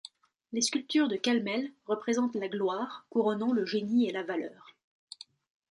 Les sculptures de Calmels représentent la Gloire, couronnant le Génie et la Valeur.